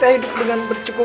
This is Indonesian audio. hanya aku yang berwarna